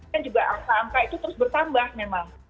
kan juga angka angka itu terus bertambah memang